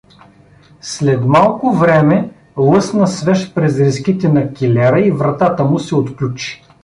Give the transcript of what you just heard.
След малко време лъсна свещ през резките на килера и вратата му се отключи.